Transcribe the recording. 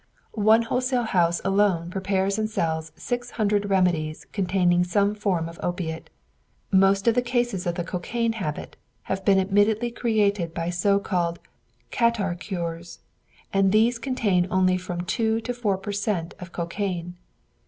One wholesale house alone prepares and sells six hundred remedies containing some form of opiate. Most of the cases of the cocaine habit have been admittedly created by so called catarrh cures, and these contain only from two to four per cent. of cocaine.